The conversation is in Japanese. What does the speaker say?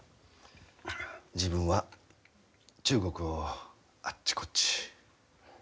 自分は中国をあっちこっち。